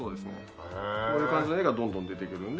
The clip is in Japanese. こういう感じの絵がどんどん出てくるんで。